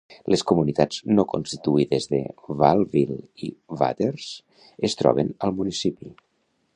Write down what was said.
Les comunitats no constituïdes de Wahlville i Watters es troben al municipi.